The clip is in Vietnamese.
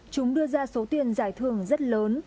chúng đưa ra số tiền giải thương rất lớn